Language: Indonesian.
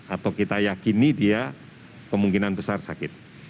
atau kita yakini dia kemungkinan besar sakit